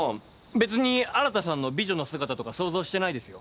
別に新さんの美女の姿とか想像してないですよ。